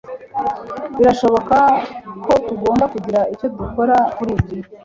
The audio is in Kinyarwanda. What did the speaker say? Birashoboka ko tugomba kugira icyo dukora kuri ibyo.